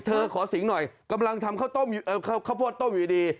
เธอขอสิงหน่อยกำลังทำข้าวโพดต้มอยู่ดี